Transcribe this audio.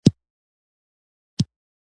اندېښنه نه وه.